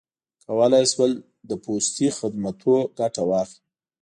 کولای یې شول له پوستي خدمتونو ګټه واخلي.